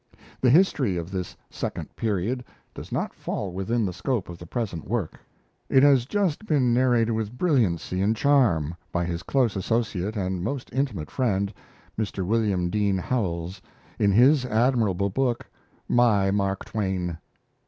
The history of this second period does not fall within the scope of the present work. It has just been narrated with brilliancy and charm by his close associate and most intimate friend, Mr. William Dean Howells, in his admirable book 'My Mark Twain'.